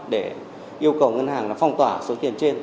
để yêu cầu ngân hàng phong tỏa số tiền trên